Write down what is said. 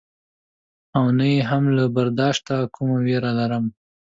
او نه یې هم له برداشته کومه وېره لرم.